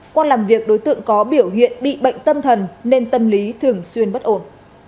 qua làm việc đối tượng có biểu hiện bị bệnh tâm thần nên tâm lý thường xuyên bất ổn